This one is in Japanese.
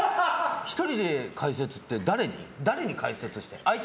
１人で解説って誰に解説してるの？